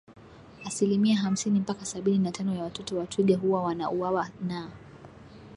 Asilimia hamsini mpaka sabini na tano ya watoto wa twiga huwa wana uwawa na